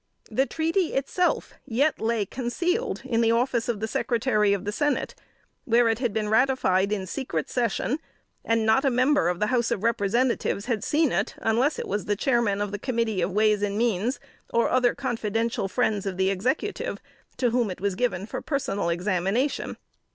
The treaty itself yet lay concealed in the office of the Secretary of the Senate, where it had been ratified in secret session, and not a member of the House of Representatives had seen it, unless it was the Chairman of the committee of Ways and Means, or other confidential friends of the Executive, to whom it was given for personal examination.